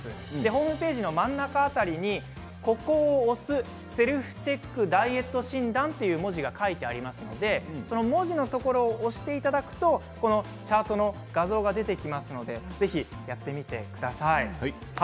ホームページの真ん中辺りにここを押す、セルフチェックダイエット診断という文字が書いてありますので文字のところを押していただくとこのチャートの画像が出てきますのでぜひやってみてください。